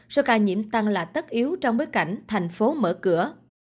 số ca nhiễm tăng là tất yếu trong bối cảnh thành phố mở cửa